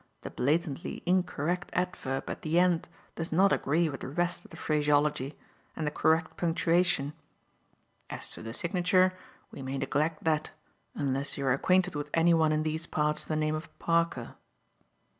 The blatantly incorrect adverb at the end does not agree with the rest of the phraseology and the correct punctuation. As to the signature, we may neglect that, unless you are acquainted with anyone in these parts of the name of Parker."